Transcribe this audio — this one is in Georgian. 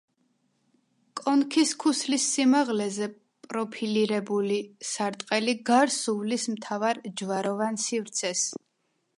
კონქის ქუსლის სიმაღლეზე პროფილირებული სარტყელი გარს უვლის მთავარ ჯვაროვან სივრცეს.